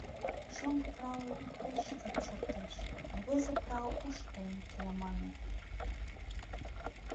Шоҥго фрау пеш чот шортеш, рвезе фрау уш каен кия маныт.